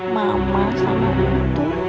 mama sama mertua